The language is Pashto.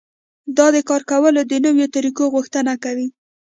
دا د کار کولو د نويو طريقو غوښتنه کوي.